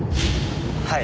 はい。